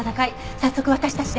早速私たちで。